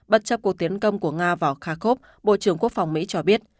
bất chấp cuộc tiến công của nga vào khakov bộ trưởng quốc phòng mỹ cho biết